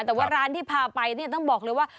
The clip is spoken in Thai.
แต่ว่าร้านที่พาไปเนี่ยต้องบอกเลยว่า